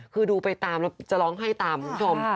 คือดูไปตามแล้วจะร้องไห้ตามคุณผู้ชม